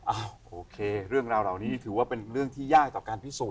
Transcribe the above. อัภวดีเรื่องราวเหล่านี้ถือว่าเป็นเรื่องที่ยากต่อการพิสูจน์นะครับ